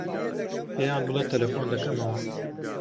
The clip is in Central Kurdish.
پێیان بڵێ تەلەفۆن دەکەمەوە.